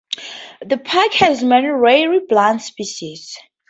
The park has many rare plant species.